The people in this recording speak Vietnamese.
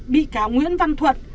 bị cáo nguyễn văn thuận